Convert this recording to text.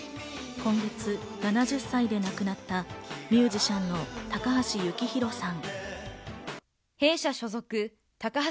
今月７０歳で亡くなったミュージシャンの高橋幸宏さん。